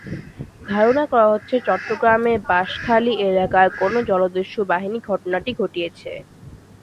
ধারণা করা হচ্ছে, চট্টগ্রামের বাঁশখালী এলাকার কোনো জলদস্যু বাহিনী ঘটনাটি ঘটিয়েছে।